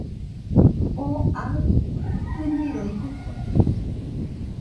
Oo aɨ ɨniroi jokode